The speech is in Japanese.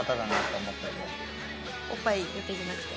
おっぱいだけじゃなくて？